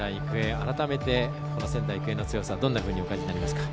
改めて、この仙台育英の強さどんなふうにお感じになりますか。